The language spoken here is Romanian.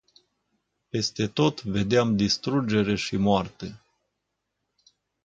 Peste tot vedeam distrugere și moarte.